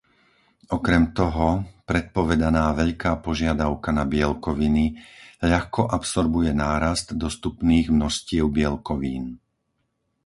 Okrem toho, predpovedaná veľká požiadavka na bielkoviny ľahko absorbuje nárast dostupných množstiev bielkovín.